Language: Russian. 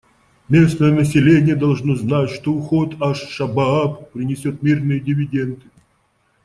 Местное население должно знать, что уход «Аш-Шабааб» принесет мирные дивиденды.